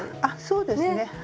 あっそうですね。